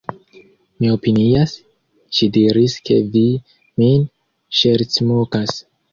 Mi opinias, ŝi diris, ke vi min ŝercmokas.